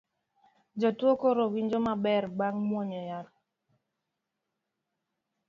Jatuo koro winjo maber bang' muonyo yath